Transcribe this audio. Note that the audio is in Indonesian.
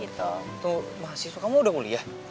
tuh mahasiswa kamu udah mulia